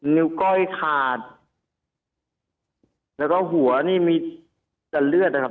นิ้วก้อยขาดแล้วก็หัวนี่มีแต่เลือดนะครับ